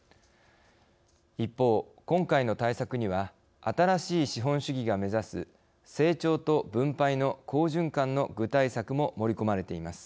一方今回の対策には新しい資本主義が目指す成長と分配の好循環の具体策も盛り込まれています。